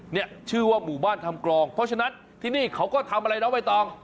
เนี่ยชื่อว่าหมู่บ้านทำกรองเพราะฉะนั้นที่นี่เขาก็ทำอะไรน้องใบตอง